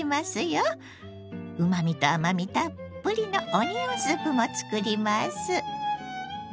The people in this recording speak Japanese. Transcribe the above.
うまみと甘みたっぷりのオニオンスープも作ります。